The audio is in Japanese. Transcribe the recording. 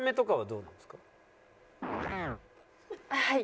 はい。